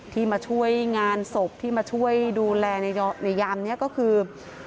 ที่มาช่วยงานศพที่มาช่วยดูแลในยามนี้ก็คือ